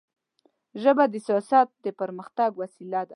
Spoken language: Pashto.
ژبه د سیاست د پرمختګ وسیله ده